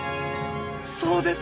そうです！